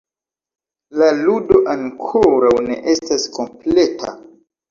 La ludo ankoraŭ ne estas kompleta: